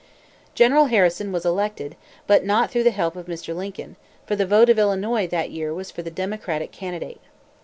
General Harrison was elected, but not through the help of Mr. Lincoln; for the vote of Illinois that year was for the Democratic candidate.